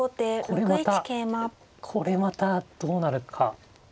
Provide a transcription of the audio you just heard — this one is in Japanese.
これまたこれまたどうなるか。